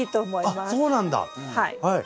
あっそうなんだ。